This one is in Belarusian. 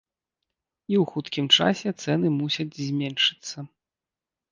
І ў хуткім часе цэны мусяць зменшыцца.